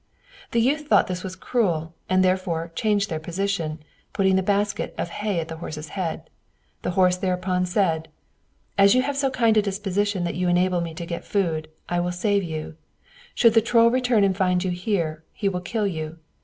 The youth thought this was cruel, and therefore changed their position, putting the basket of hay by the horse's head. The horse thereupon said: "As you have so kind a disposition that you enable me to get food, I will save you: should the Troll return and find you here, he will kill you.